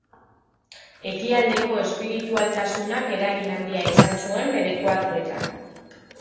Ekialdeko espiritualtasunak eragin handia izan zuen bere koadroetan.